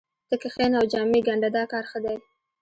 ته کښېنه او جامې ګنډه دا کار ښه دی